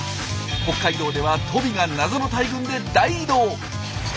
北海道ではトビが謎の大群で大移動。